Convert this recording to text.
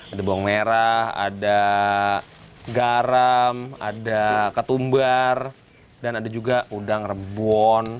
ada bawang merah ada garam ada ketumbar dan ada juga udang rebun